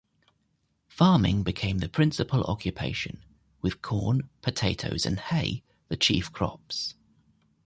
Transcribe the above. Farming became the principal occupation, with corn, potatoes and hay the chief crops.